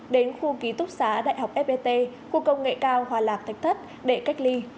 đến khu ký túc xá đại học fpt khu công nghệ cao hòa lạc thạch thất để cách ly